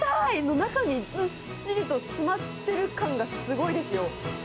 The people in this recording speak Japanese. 中にずっしりと詰まってる感がすごいですよ。